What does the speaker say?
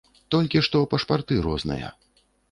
Толькі што пашпарты розныя.